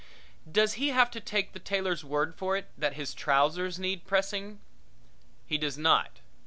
Does he have to take the tailor's word for it that his trousers need pressing? He does not.